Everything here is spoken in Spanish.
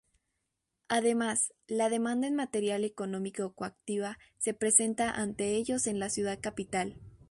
Además, la demanda en materia económico-coactiva se presenta ante ellos en la ciudad capital.